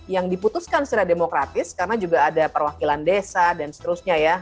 yang diputuskan secara demokratis karena juga ada perwakilan desa dan seterusnya ya